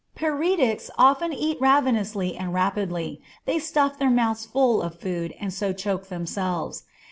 Paretics often eat ravenously and rapidly, they stuff their mouths full of food and so choke themselves.